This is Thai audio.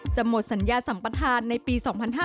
หมดสัญญาสัมปทานในปี๒๕๕๙